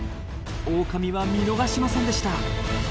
オオカミは見逃しませんでした。